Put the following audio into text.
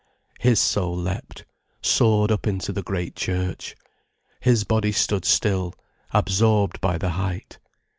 His soul leapt, soared up into the great church. His body stood still, absorbed by the height.